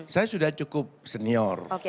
saya sudah cukup senior